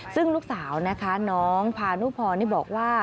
ซึ่งลูกสาวนะคะน้องพานุพรนี่บอกว่า